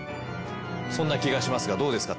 そんな気がしますがどうですか？